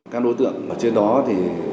các đối tượng ở trên đó thì